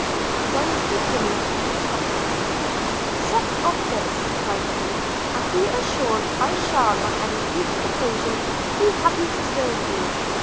He then took a guinea from his pocket – 'Accept of this,' cried he, 'and be assured I shall on any future occasion be happy to serve you.'